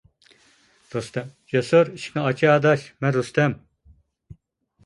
رۇستەم: جەسۇر، ئىشىكنى ئاچە ئاداش، مەن رۇستەم!